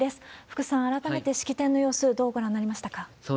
福さん、改めて式典の様子、どうご覧になりましたか？